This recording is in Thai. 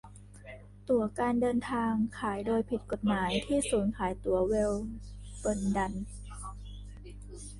ตั๋วการเดินทางขายโดยผิดกฎหมายที่ศูนย์ขายตั๋วเวลเบินดัน